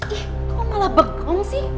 eh kok malah begong sih